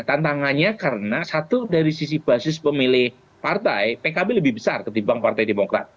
tantangannya karena satu dari sisi basis pemilih partai pkb lebih besar ketimbang partai demokrat